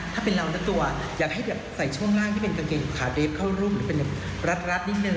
ถ้าเป็นเราเจ้าตัวอยากให้แบบใส่ช่วงล่างที่เป็นกางเกงขาเดฟเข้ารูปหรือเป็นแบบรัดนิดนึง